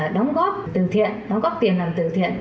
đóng góp tiền làm từ thiện